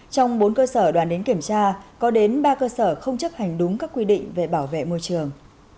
trong bốn cơ sở đoàn đến kiểm tra có đến ba cơ sở không chấp hành đúng các quy định về bảo vệ môi trường